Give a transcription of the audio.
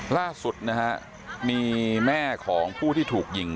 ล่าสุดนะฮะมีแม่ของผู้ที่ถูกยิง